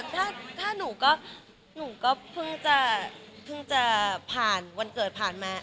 แต่ถ้าหนูก็เพิ่งจะผ่านวันเกิดผ่านมา